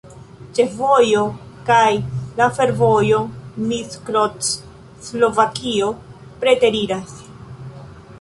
Ĉefvojo kaj la fervojo Miskolc-Slovakio preteriras.